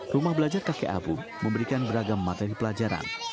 rumah belajar kakek abu memberikan beragam materi pelajaran